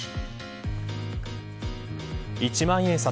１万円札。